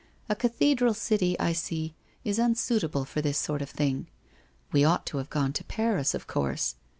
A cathedral city, I see, is unsuitable for this sort of thing. We ought to have gone to Paris, of course.